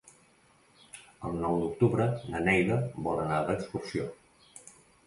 El nou d'octubre na Neida vol anar d'excursió.